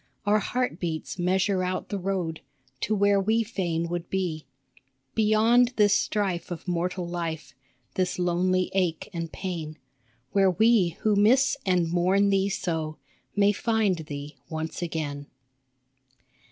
Our heart beats measure out the road To where we fain would be, 10 COR CORDIUM Beyond this strife of mortal life, This lonely ache and pain, Where we who miss and mourn thee so May find thee once again.